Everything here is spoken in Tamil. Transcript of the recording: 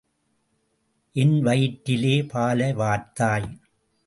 என் வயிற்றிலே பாலை வார்த்தாய்.